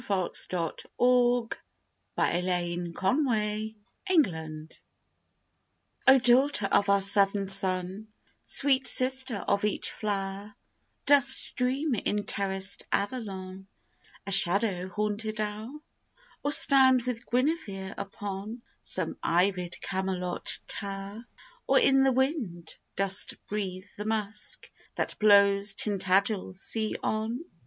TO ONE READING THE MORTE D'ARTHURE O daughter of our Southern sun, Sweet sister of each flower, Dost dream in terraced Avalon A shadow haunted hour? Or stand with Guinevere upon Some ivied Camelot tower? Or, in the wind, dost breathe the musk That blows Tintagel's sea on?